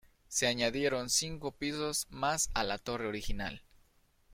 Se añadieron cinco pisos más a la torre original.